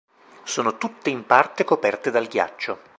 Sono tutte in parte coperte dal ghiaccio.